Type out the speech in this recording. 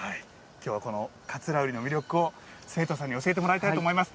きょうはこの桂うりの魅力を生徒さんに教えてもらいたいと思います。